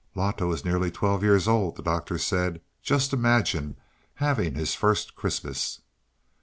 "Loto is nearly twelve years old," the Doctor said. "Just imagine having his first Christmas."